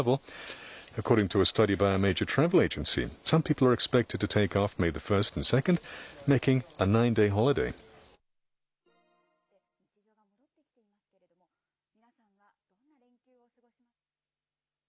マスクを着けるかは個人の判断となって、日常が戻ってきていますけれども、皆さんは、どんな連休を過ごしますか。